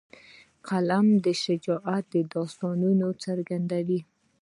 قلم د شجاعت داستانونه څرګندوي